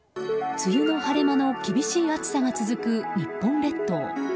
梅雨の晴れ間の厳しい暑さが続く日本列島。